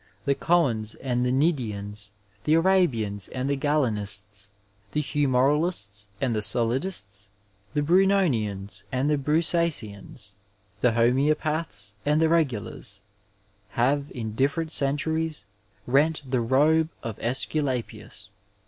The Goans and Hie Gnidians, the Arabians and the Gfalenists, the humoralists and the soUdists, the Brunonians and tbe Broussaisians, the homospaths and the regulars, have» in different centuries, rent the robe of iEsculapius.